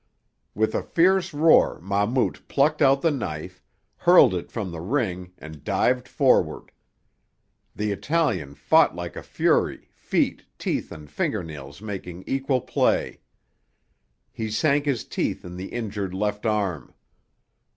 With a fierce roar Mahmout plucked out the knife, hurled it from the ring and dived forward. The Italian fought like a fury, feet, teeth and fingernails making equal play. He sank his teeth in the injured left arm.